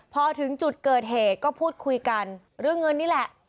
พอถึงจุดเกิดเหตุก็พูดคุยกันเรื่องเงินนี่แหละ